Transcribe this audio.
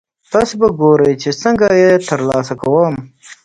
تاسې به ګورئ چې څنګه یې ترلاسه کوم.